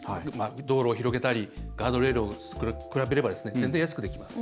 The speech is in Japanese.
道路を広げたりガードレールを作るのと比べれば全然、安くできます。